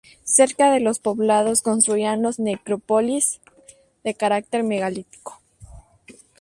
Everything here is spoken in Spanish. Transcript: Cerca de los poblados construían la necrópolis, de carácter megalítico.